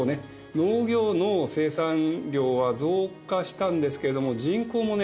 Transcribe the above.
農業の生産量は増加したんですけれども人口もね